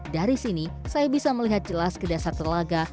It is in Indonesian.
dari sini saya bisa melihat jelas ke dasar telaga